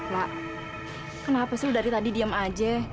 mak kenapa sih dari tadi diem aja